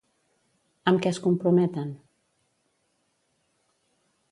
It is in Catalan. Amb què es comprometen?